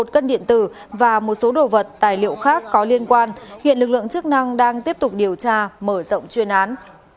một cân điện tử và một số đồ vật tài liệu khác có liên quan hiện lực lượng chức năng đang tiếp tục điều tra mở rộng chuyên án